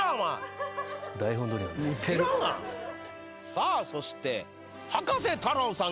さあそして葉加瀬太郎さん。